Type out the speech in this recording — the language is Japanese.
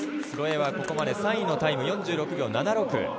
スロエワはここまで３位のタイム、４６秒７６。